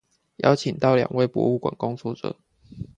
邀請到兩位博物館工作者